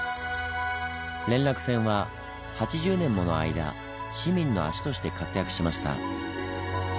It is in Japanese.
連絡船は８０年もの間市民の足として活躍しました。